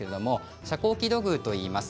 遮光器土偶といいます。